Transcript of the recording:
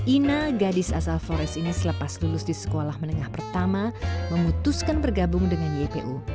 ina gadis asal flores ini selepas lulus di sekolah menengah pertama memutuskan bergabung dengan ypu